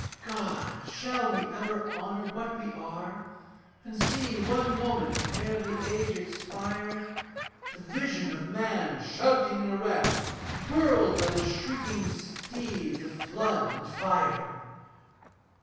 God! shall we ever honour what we are, And see one moment ere the age expire, The vision of man shouting and erect, Whirled by the shrieking steeds of flood and fire?